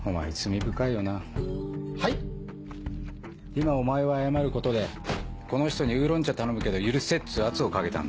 今お前は謝ることでこの人に「ウーロン茶頼むけど許せ」っつう圧をかけたんだよ。